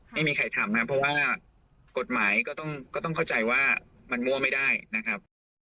ไม่มีใครทำครับเพราะว่ากฎหมายก็ต้องเข้าใจว่ามันมั่วไม่ได้นะครับ